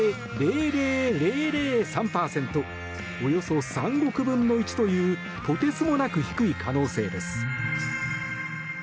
およそ３億分の１というとてつもなく低い可能性です。